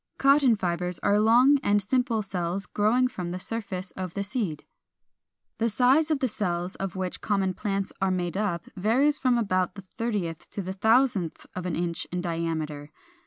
Cotton fibres are long and simple cells growing from the surface of the seed. 404. The size of the cells of which common plants are made up varies from about the thirtieth to the thousandth of an inch in diameter.